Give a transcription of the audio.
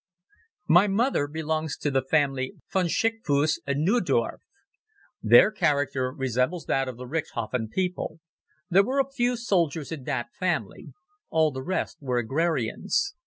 My mother belongs to the family Von Schickfuss und Neudorf. Their character resembles that of the Richthofen people. There were a few soldiers in that family. All the rest were agrarians.